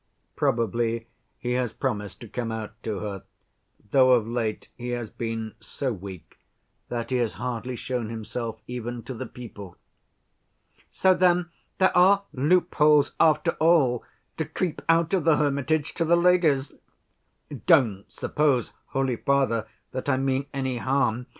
Probably he has promised to come out to her, though of late he has been so weak that he has hardly shown himself even to the people." "So then there are loopholes, after all, to creep out of the hermitage to the ladies. Don't suppose, holy father, that I mean any harm.